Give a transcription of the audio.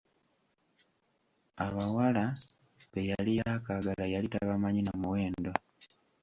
Abawala be yali yaakaagala yali tabamanyi na muwendo!